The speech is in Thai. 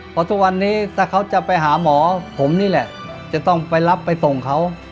เพราะทุกวันนี้ถ้าเขาจะไปหาหมอผมนี่แหละจะต้องไปรับไปส่งเขา